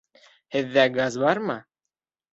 Һеҙҙә газ бармы?